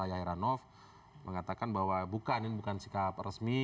pak khairon mengatakan bahwa bukan ini bukan sikap resmi